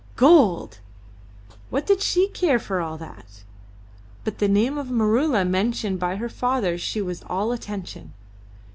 Gold! What did she care for all that? But at the name of Maroola mentioned by her father she was all attention.